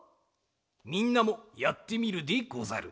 みんなもやってみるでござる。